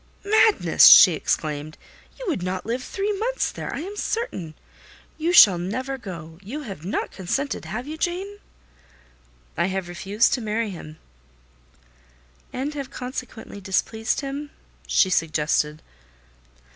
"Madness!" she exclaimed. "You would not live three months there, I am certain. You never shall go: you have not consented, have you, Jane?" "I have refused to marry him—" "And have consequently displeased him?" she suggested.